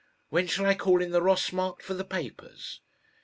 When shall I call in the Ross Markt for the papers?"